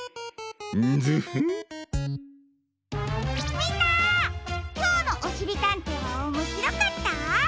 みんなきょうの「おしりたんてい」はおもしろかった？